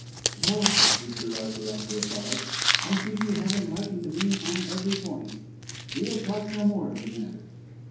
"No," said Sir Arthur after a pause. "I think you have enlightened me on every point. We'll talk no more of the matter."